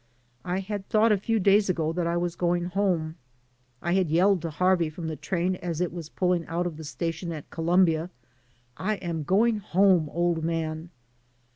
I had thought a few days ago that I was going home. I had yelled to Harvey from the train as it was pulling out of the station at Columbia, "I am going home, old man!"